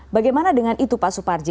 bagaimana dengan itu pak suparji